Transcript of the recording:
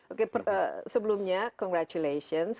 oke sebelumnya congratulations